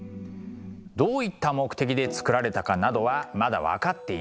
どういった目的で作られたかなどはまだ分かっていないんです。